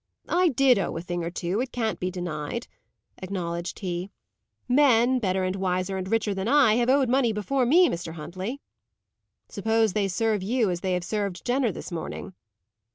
"I did owe a thing or two, it can't be denied," acknowledged he. "Men, better and wiser and richer than I, have owed money before me, Mr. Huntley." "Suppose they serve you as they have served Jenner this morning?"